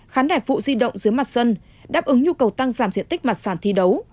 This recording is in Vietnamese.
khán đài phụ di động dưới mặt sân đáp ứng nhu cầu tăng giảm diện tích mặt sàn thi đấu